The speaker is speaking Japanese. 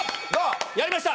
やりました